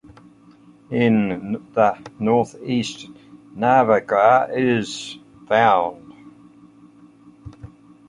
In the North east Navagraha is found.